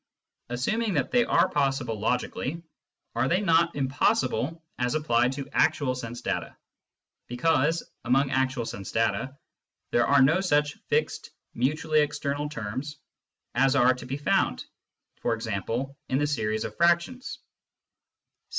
(^) Assuming that they are possible logically, are they not impossible as applied to actual sense data, because, among actual sense data, there are no such fixed mutually external terms as are to be found, e.g.^ in the series of fractions